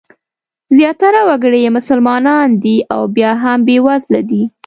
زیاتره وګړي یې مسلمانان دي او بیا هم بېوزله دي.